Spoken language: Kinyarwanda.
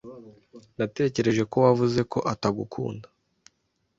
Natekereje ko wavuze ko atagukunda.